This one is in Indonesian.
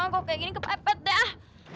kok kayak gini kepepet dah